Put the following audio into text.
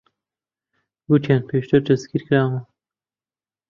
گوتیان پێشتر دەستگیر کراون.